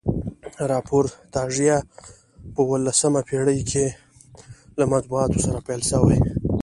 راپورتاژپه اوولسمه پیړۍ کښي له مطبوعاتو سره پیل سوی.